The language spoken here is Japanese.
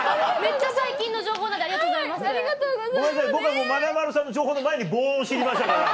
僕まなまるさんの情報の前に防音を知りましたから。